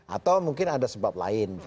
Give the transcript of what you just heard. atau mungkin ada sebab lain